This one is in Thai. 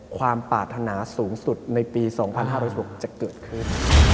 ความปรารถนาสูงสุดในปี๒๕๐๖จะเกิดขึ้น